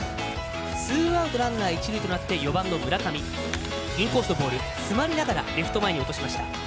ツーアウトランナー、一塁４番の村上インコースのボール詰まりながらレフト前に落としました。